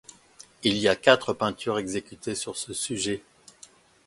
Il y a quatre peintures exécutées sur ce sujet.